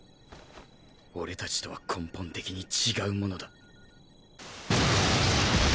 俺達とは根本的に違うモノだ。